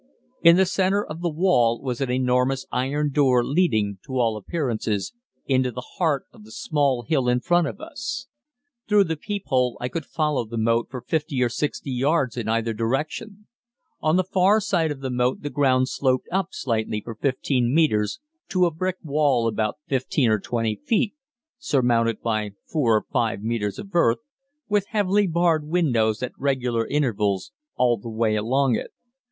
In the center of the wall was an enormous iron door leading, to all appearances, into the heart of the small hill in front of us. Through the peep hole I could follow the moat for 50 or 60 yards in either direction. On the far side of the moat the ground sloped up slightly for 15 metres to a brick wall about 15 to 20 feet (surmounted by 4 or 5 metres of earth) with heavily barred windows at regular intervals all the way along it.